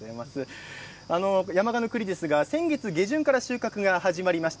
山鹿の栗、先月下旬から収穫が始まりました。